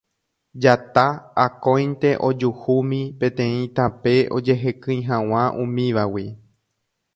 Jata akóinte ojuhúmi peteĩ tape ojehekýi hag̃ua umívagui.